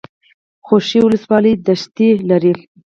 خوشي ولسوالۍ دښتې لري؟